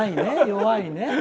弱いね。